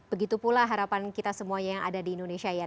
begitu pula harapan kita semuanya yang ada di indonesia ya